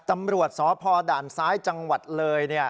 ตำรวจสพด่านซ้ายจังหวัดเลย